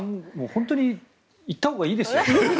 本当に行ったほうがいいですよ。